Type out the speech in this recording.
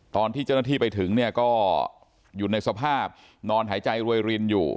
ตอนที่เจ้าหน้าที่ไปถึงเนี่ยก็อยู่ในสภาพนอนหายใจรวยรินอยู่